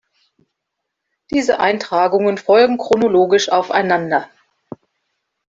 Diese Eintragungen folgen chronologisch aufeinander.